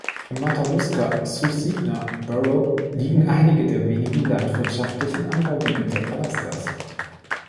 Im Matanuska-Susitna Borough liegen einige der wenigen landwirtschaftlichen Anbaugebiete Alaskas.